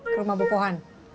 ke rumah bukohan